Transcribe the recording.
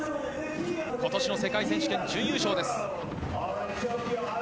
今年の世界選手権準優勝です。